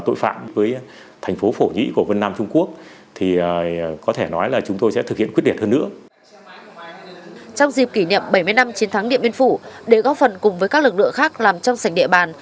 trong dịp kỷ niệm bảy mươi năm chiến thắng điện biên phủ để góp phần cùng với các lực lượng khác làm trong sảnh địa bàn